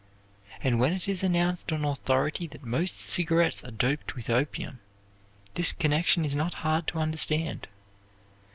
And when it is announced on authority that most cigarettes are doped with opium, this connection is not hard to understand.